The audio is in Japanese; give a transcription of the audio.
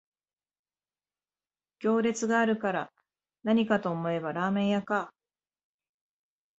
行列があるからなにかと思えばラーメン屋か